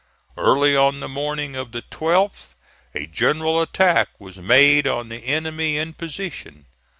Early on the morning of the 12th a general attack was made on the enemy in position.